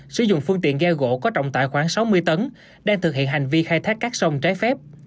sử dụng phương tiện ghe gỗ có trọng tải khoảng sáu mươi tấn đang thực hiện hành vi khai thác các sông trái phép